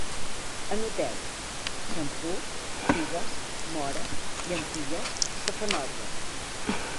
Anoteu: xampú, figues, móres, llentilles, safanòria